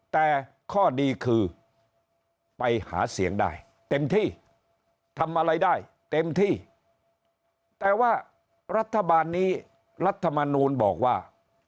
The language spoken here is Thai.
แต่ข้อดีคือไปหาเสียงได้เต็มที่ทำอะไรได้เต็มที่แต่ว่ารัฐบาลนี้รัฐมนูลบอกว่า